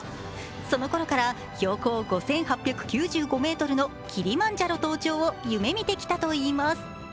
そのころから標高５８９５ｍのキリマンジャロ登頂を夢見てきたといいます。